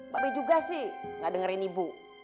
pak be juga sih gak dengerin ibu